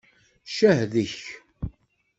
Ccah deg-k.